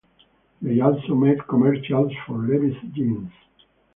They also made commercials for Levi's jeans.